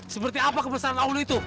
seperti apa kebesaran allah